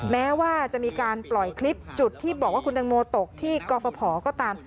แม้ว่าจะมีการปล่อยคลิปจุดที่บอกว่าคุณตังโมตกที่กรฟภก็ตาม